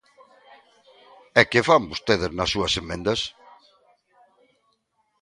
¿E que fan vostedes nas súas emendas?